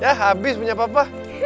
yah habis punya papa